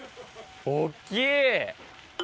大っきい！